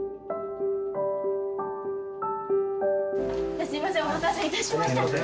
じゃあすいませんお待たせいたしました。